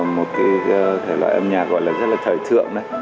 một thể loại âm nhạc gọi là rất là thời thượng